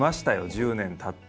１０年たって。